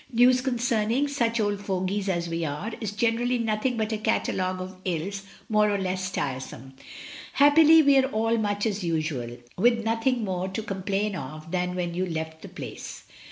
News concerning such old fogies as we are is generally nothing but a catalogue of ills, more or less tiresome. Happily we are all much as usual, with nothing more to complain of than when you left the Place.